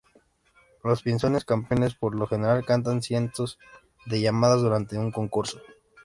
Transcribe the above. Los pinzones campeones por lo general cantan cientos de llamadas durante un concurso.